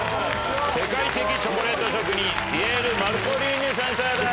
世界的チョコレート職人ピエール・マルコリーニ先生です！